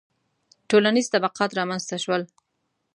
• ټولنیز طبقات رامنځته شول.